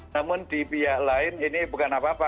namun di pihak lain ini bukan apa apa